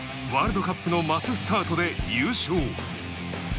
ワールドカップのマススタートで優勝。